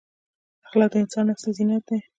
اخلاق د انسان اصلي زینت دی.